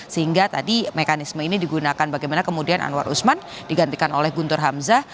sehingga tadi mekanisme ini digunakan bagaimana kemudian anwar usman digantikan oleh guntur hamzah